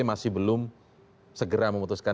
masih belum segera memutuskan